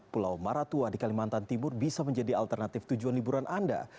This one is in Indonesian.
pulau maratua di kalimantan timur bisa menjadi alternatif tujuan liburan anda